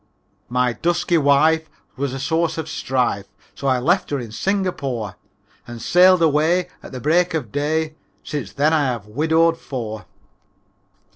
II My dusky wife Was a source of strife, So I left her in Singapore And sailed away At the break of day Since then I have widowed four.